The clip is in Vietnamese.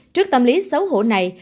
trước tâm lý xấu hổ này